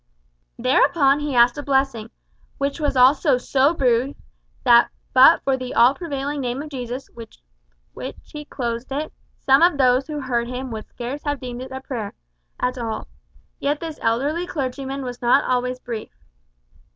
Thereupon he asked a blessing, which was also so brief, that, but for the all prevailing name of Jesus, with which he closed it, some of those who heard him would scarce have deemed it a prayer at all. Yet this elderly clergyman was not always brief.